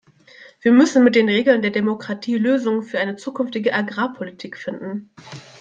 Wir müssen mit den Regeln der Demokratie Lösungen für eine zukünftige Agrarpolitik finden.